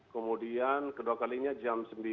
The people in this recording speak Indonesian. kemudian kedua kalinya jam sembilan